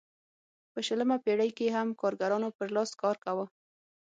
په شلمه پېړۍ کې هم کارګرانو پر لاس کار کاوه.